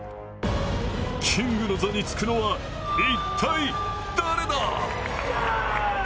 キングの座につくのは一体誰だ？